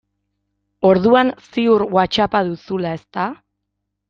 Orduan ziur Whatsapp-a duzula, ezta?